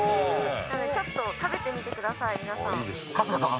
ちょっと食べてみてください皆さん。